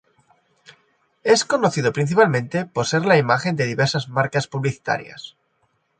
Es conocido principalmente por ser la imagen de diversas marcas publicitarias.